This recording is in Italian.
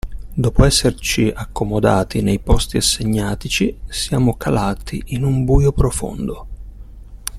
Dopo esserci accomodati nei posti assegnatici siamo calati in un buio profondo.